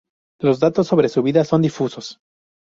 Los datos sobre su vida son difusos.